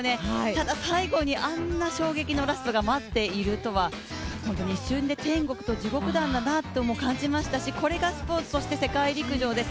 ただ、最後にあんな衝撃のラストが待っているとは、本当に一瞬で天国と地獄なんだなと感じましたし、これがスポーツ、そして世界陸上です。